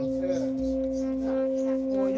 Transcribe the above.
ไม่เค้ลูกพี่